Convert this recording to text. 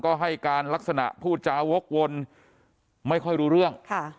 ก็ให้การลักษณะพูดจาวกวนไม่ค่อยรู้เรื่อง